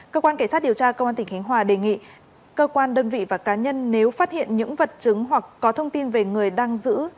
cơ quan cảnh sát điều tra công an tỉnh khánh hòa đề nghị cơ quan đơn vị và cá nhân nếu phát hiện những vật chứng hoặc có thông tin về người đang giữ